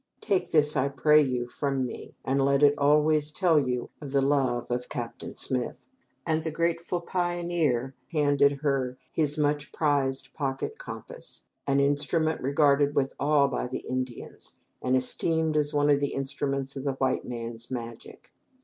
Take this, I pray you, from me, and let it always tell you of the love of Captain Smith." And the grateful pioneer handed her his much prized pocket compass an instrument regarded with awe by the Indians, and esteemed as one of the instruments of the white man's magic.